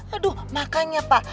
aduh makanya pak